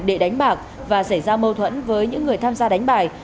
để đánh bạc và xảy ra mâu thuẫn với những người tham gia đánh bài